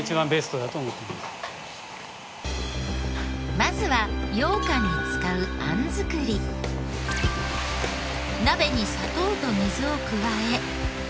まずはようかんに使う鍋に砂糖と水を加え。